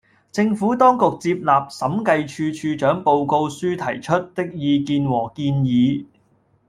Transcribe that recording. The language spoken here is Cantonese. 政府當局接納審計署署長報告書提出的意見和建議